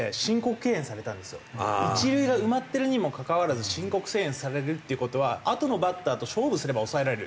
一塁が埋まってるにもかかわらず申告敬遠されるっていう事はあとのバッターと勝負すれば抑えられる。